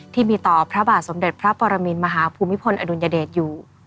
ที่มีต่อพระบาทสมเด็จพระปรมินมหาภูมิพลอดุลยเดชอยู่